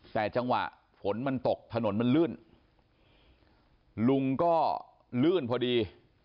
แต่จังหวะฝนมันตกถนนมันลื่นลุงก็ลื่นพอดี